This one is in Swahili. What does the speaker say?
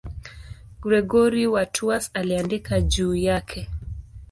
Gregori wa Tours aliandika juu yake.